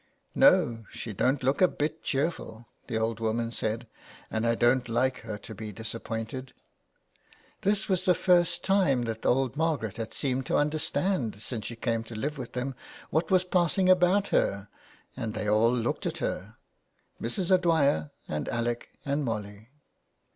*' No, she don't look a bit cheerful," the old woman said, "and I don't like her to be disappointed." This was the first time that old Margaret had seemed to understand since she came to live with them what was passing about her, and they all looked at her, Mrs. O'Dwyer and Alec and Molly.